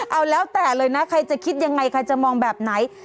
เอาแล้วแต่เลยนะใครจะคิดยังไงใครจะมองแบบไหน